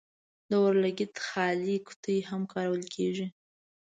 د اور لګیت خالي قطۍ هم کارول کیږي.